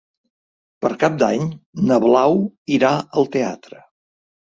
Per Cap d'Any na Blau irà al teatre.